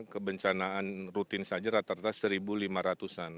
kebencanaan rutin saja rata rata satu lima ratus an